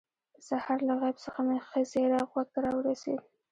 په سهار له غیب څخه مې ښه زیری غوږ ته راورسېد.